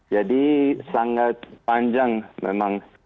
jadi sangat panjang memang